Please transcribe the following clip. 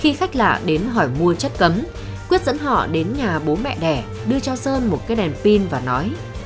khi khách lạ đến hỏi mua chất cấm quyết dẫn họ đến nhà bố mẹ đẻ đưa cho sơn một cái đèn pin và nói